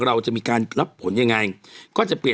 เราจะมีการรับผลยังไง